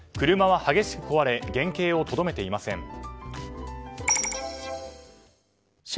車は激しく壊れ原形をとどめていません。